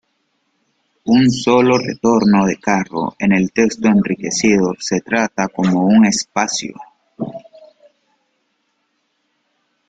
Un sólo retorno de carro en el texto enriquecido se trata como un espacio.